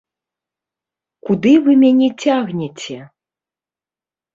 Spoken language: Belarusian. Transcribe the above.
Куды вы мяне цягнеце?